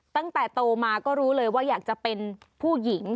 ตั้งแต่โตมาก็รู้เลยว่าอยากจะเป็นผู้หญิง